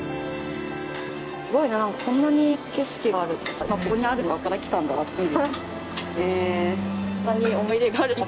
すごいなんかこんなに景色があるとか今ここにあるのがここから来たんだなっていう。